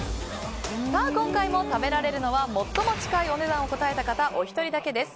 今回も食べられるのは最も近いお値段を答えた方お一人だけです。